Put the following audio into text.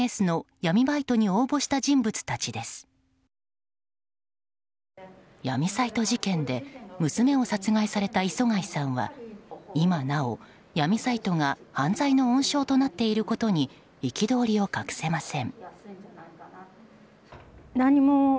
闇サイト事件で娘を殺害された磯谷さんは今なお、闇サイトが犯罪の温床となっていることに憤りを隠せません。